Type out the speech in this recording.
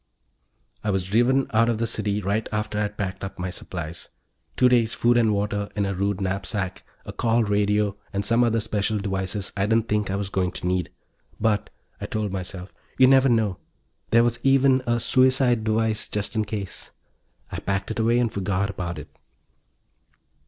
I was driven out of the city right after I'd packed up my supplies two days' food and water in a rude knapsack, a call radio and some other special devices I didn't think I was going to need. But, I told myself, you never know ... there was even a suicide device, just in case. I packed it away and forgot about it.